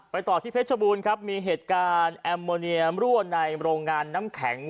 ต่อที่เพชรบูรณ์ครับมีเหตุการณ์แอมโมเนียมรั่วในโรงงานน้ำแข็ง